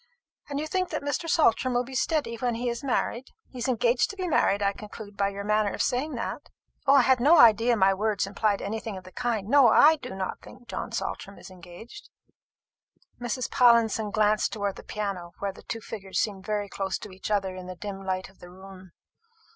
And you think that Mr. Saltram will be steady when he is married? He is engaged to be married, I conclude by your manner of saying that." "I had no idea my words implied anything of the kind. No, I do not think John Saltram is engaged." Mrs. Pallinson glanced towards the piano, where the two figures seemed very close to each other in the dim light of the room.